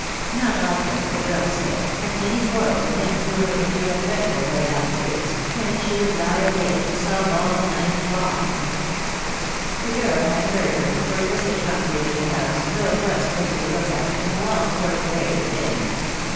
Not often, the girl said, and any quarrel with him threw her into a dread ful way afterwards, and she would lie awake and sob all 74 THE DAY WILL COME. night long. The girl had heard her, for it was a trum pery little house, though it was pretty to look at, and the walls were veiy thin.